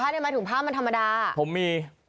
นี่เอาไป